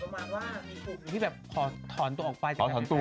มีที่แบบขอถอนตัวออกไป